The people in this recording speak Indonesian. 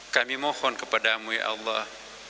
kami mohon kepada mu ya allah